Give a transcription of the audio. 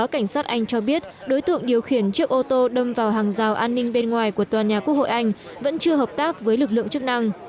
cảnh sát anh cho biết đối tượng điều khiển chiếc ô tô đâm vào hàng rào an ninh bên ngoài của tòa nhà quốc hội anh vẫn chưa hợp tác với lực lượng chức năng